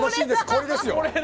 これです！